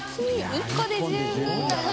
１本で十分だな。